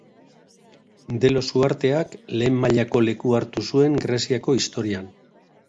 Delos uharteak lehen mailako lekua hartu zuen Greziako historian.